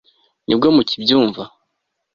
nibwo mukibyumva